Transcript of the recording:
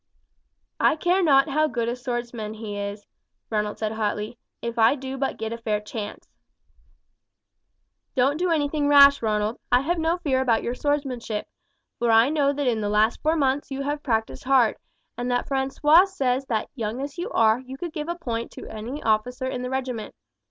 "I care not how good a swordsmen he is," Ronald said hotly, "if I do but get a fair chance." "Don't do anything rash, Ronald; I have no fear about your swordsmanship, for I know in the last four months you have practised hard, and that Francois says that young as you are you could give a point to any officer in the regiment.